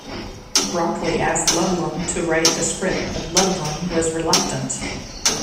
Broccoli asked Ludlum to write the script, but Ludlum was reluctant.